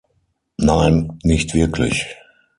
Nein, nicht wirklich.